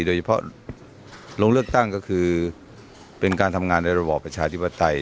ลงเลือกตั้งก็คือเป็นการทำงานในระบอบประชาธิปไตย